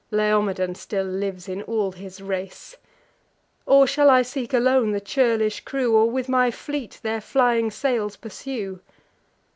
Laomedon still lives in all his race! Then, shall I seek alone the churlish crew, Or with my fleet their flying sails pursue?